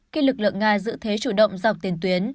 khi lực lượng nga giữ thế chủ động dọc tiền tuyến